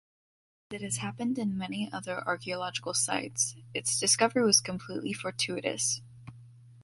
As it has happened in many other archeological sites, its discovery was completely fortuitous.